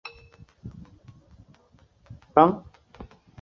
本区域是当时人主要的居住区域。